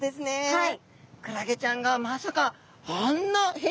はい。